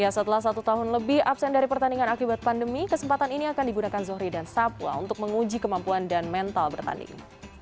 setelah satu tahun lebih absen dari pertandingan akibat pandemi kesempatan ini akan digunakan zohri dan satwa untuk menguji kemampuan dan mental bertanding